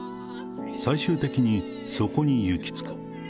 最終的にそこに行き着く。